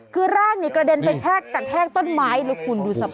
คือร่างนี่กระเด็นไปกระแทกต้นไม้เลยคุณดูสภาพ